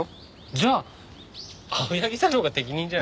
じゃあ青柳さんのほうが適任じゃ。